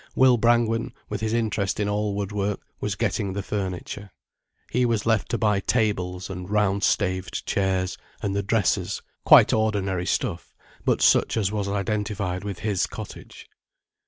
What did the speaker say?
Will Brangwen, with his interest in all wood work, was getting the furniture. He was left to buy tables and round staved chairs and the dressers, quite ordinary stuff, but such as was identified with his cottage.